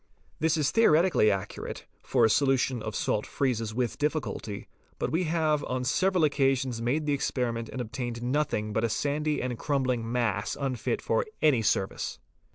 This is theoretically accurate, for a solution of salt freezes with difficulty, but we have on several occa sions made the experiment and obtained nothing but a sandy and crumbling mass unfit for any service.